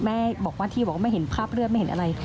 แม่บอกว่าที่บอกว่าไม่เห็นคราบเลือดไม่เห็นอะไร